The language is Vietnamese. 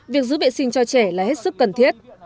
việc giữ vệ sinh cho trẻ là hết sức cần thiết